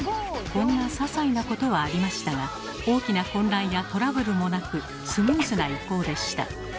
こんなささいなことはありましたが大きな混乱やトラブルもなくスムーズな移行でした。